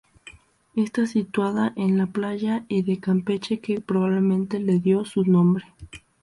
Está situada en la playa de Campeche, que probablemente le dio su nombre.